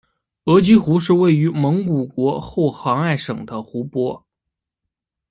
额吉湖是位于蒙古国后杭爱省的湖泊。